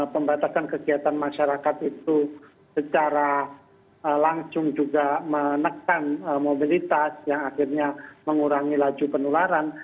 pembatasan kegiatan masyarakat itu secara langsung juga menekan mobilitas yang akhirnya mengurangi laju penularan